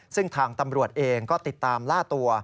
ซึ่งทางตำรวจเองก็ติดตามล่าตัว